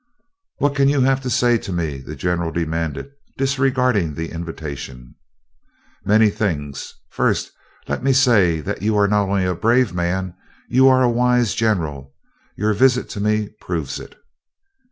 "What can you have to say to me?" the general demanded, disregarding the invitation. "Many things. First, let me say that you are not only a brave man; you are a wise general your visit to me proves it."